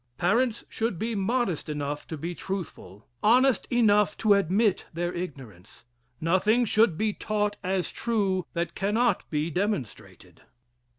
Parents should be modest enough to be truthful honest enough to admit their ignorance. Nothing should be taught as true that cannot be demonstrated.